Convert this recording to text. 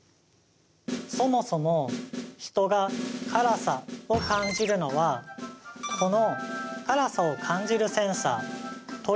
そもそも人が辛さを感じるのはこの辛さを感じるセンサーＴＲＰＶ